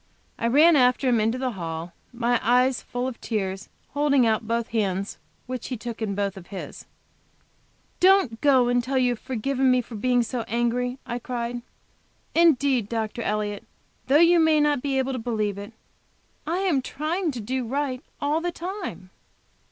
I ran after him, into the hall, my eyes full of tears, holding out both hands, which he took in both his. "Don't go until you have forgiven me for being so angry!" I cried. "Indeed, Dr. Elliott, though you not be able to believe it, I am trying to do right all the time!"